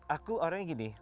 aku orangnya gini